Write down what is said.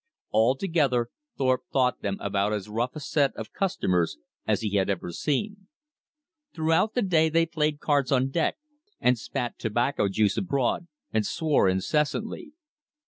Altogether Thorpe thought them about as rough a set of customers as he had ever seen. Throughout the day they played cards on deck, and spat tobacco juice abroad, and swore incessantly.